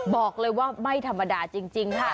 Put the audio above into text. บอกเลยว่าไม่ธรรมดาจริงค่ะ